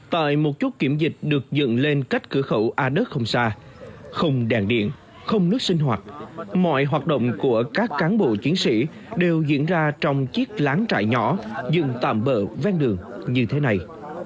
tại một chút kiểm dịch được dựng lên cách cửa khẩu a đất không xa không đèn điện không nước sinh hoạt mọi hoạt động của các cán bộ chiến sĩ đều diễn ra trong chiếc lán trại nhỏ dừng tạm bỡ ven đường như thế này